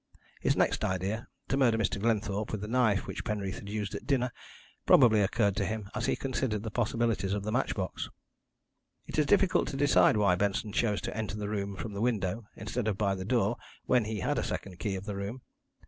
His next idea, to murder Mr. Glenthorpe with the knife which Penreath had used at dinner, probably occurred to him as he considered the possibilities of the match box. "It is difficult to decide why Benson chose to enter the room from the window instead of by the door when he had a second key of the room.